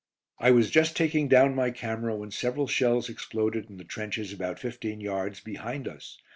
I was just taking down my camera when several shells exploded in the trenches about fifteen yards behind us.